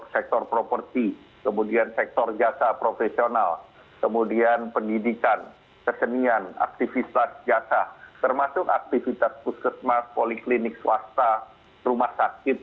sektor properti kemudian sektor jasa profesional kemudian pendidikan kesenian aktivitas jasa termasuk aktivitas puskesmas poliklinik swasta rumah sakit